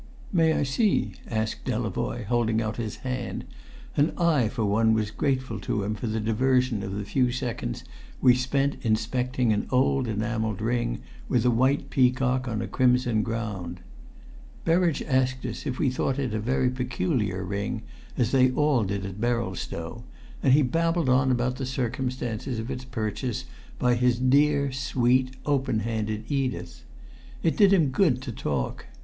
"May I see?" asked Delavoye, holding out his hand; and I for one was grateful to him for the diversion of the few seconds we spent inspecting an old enamelled ring with a white peacock on a crimson ground. Berridge asked us if we thought it a very peculiar ring, as they all did at Berylstow, and he babbled on about the circumstances of its purchase by his dear, sweet, open handed Edith. It did him good to talk.